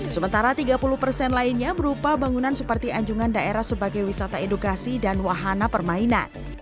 sementara tiga puluh persen lainnya berupa bangunan seperti anjungan daerah sebagai wisata edukasi dan wahana permainan